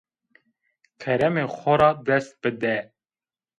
Keremê xo ra dest bide